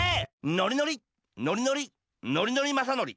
ノリノリノリノリノリノリマサノリ。